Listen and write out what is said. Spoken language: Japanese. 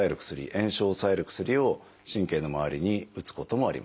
炎症を抑える薬を神経の周りに打つこともあります。